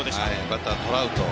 バッター、トラウト。